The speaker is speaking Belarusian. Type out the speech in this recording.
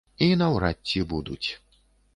І наўрад ці будуць.